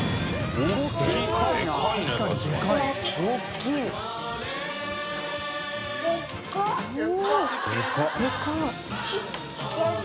おっ！